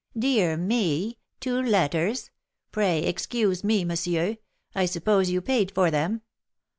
"Dear me! Two letters! Pray excuse me, monsieur. I suppose you paid for them?"